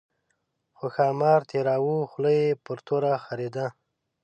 خو ښامار تېراوه خوله یې پر توره خرېده.